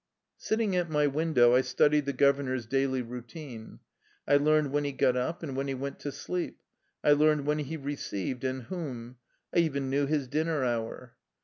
Sitting at my window, I studied the governor's daily routine. I learned when he got up and when he went to sleep. I learned when he re ceived and whom. I even knew his dinner hour.